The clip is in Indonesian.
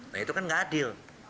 nah itu kan nggak adil